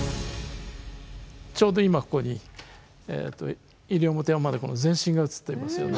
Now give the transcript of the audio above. ちょうど今ここにイリオモテヤマネコの全身が映っていますよね。